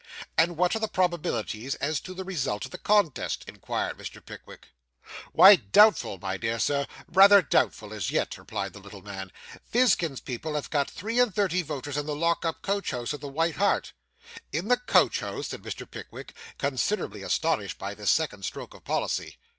'And what are the probabilities as to the result of the contest?' inquired Mr. Pickwick. 'Why, doubtful, my dear Sir; rather doubtful as yet,' replied the little man. 'Fizkin's people have got three and thirty voters in the lock up coach house at the White Hart.' 'In the coach house!' said Mr. Pickwick, considerably astonished by this second stroke of policy.